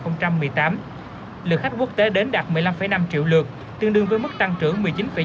năm hai nghìn một mươi tám lượt khách quốc tế đến đạt một mươi năm năm triệu lượt tương đương với mức tăng trưởng một mươi chín tám